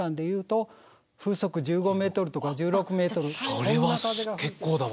それは結構だわ。